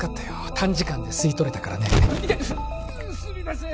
短時間で吸い取れたからねイテッすみません